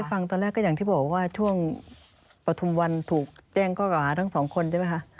ที่ได้ฟังตอนแรกก็อย่างที่บอกว่าช่วงปฐมวันถูกแจ้งเก้ากับอาทักสองคนใช่ไหมคะ